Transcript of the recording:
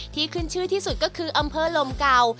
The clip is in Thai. ที่ขึ้นชื่อที่สุดก็คืออำเภอลมเก่า